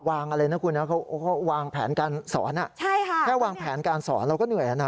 อะไรนะคุณนะเขาวางแผนการสอนแค่วางแผนการสอนเราก็เหนื่อยแล้วนะ